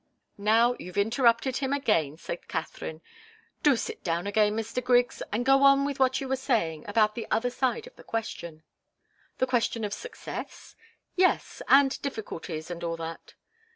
"Now you've interrupted him again," said Katharine. "Do sit down again, Mr. Griggs, and go on with what you were saying about the other side of the question." "The question of success?" "Yes and difficulties and all that."